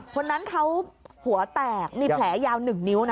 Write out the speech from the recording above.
คนนั้นเขาหัวแตกมีแผลยาว๑นิ้วนะ